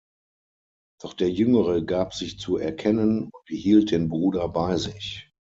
Doch der jüngere gab sich zu erkennen und behielt den Bruder bei sich.